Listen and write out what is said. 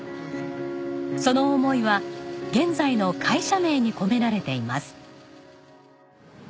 その思いは現在の会社名に込められています。